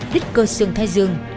đứt cơ xương thai dương